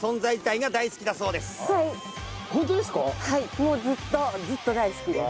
もうずっとずっと大好きです。